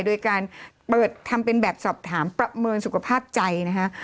โดยการเปิดทำเป็นแบบสอบถามประเมินสุขภาพใจนะคะ